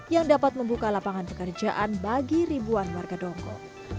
yang dapat membuka lapangan pekerjaan bagi ribuan warga dongko